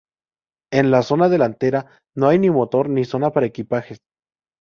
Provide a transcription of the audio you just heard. En la zona delantera, no hay ni motor ni zona para equipajes.